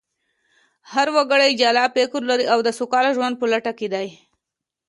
هر وګړی جلا فکر لري او د سوکاله ژوند په لټه کې دی